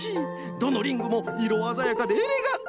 どのリングもいろあざやかでエレガント。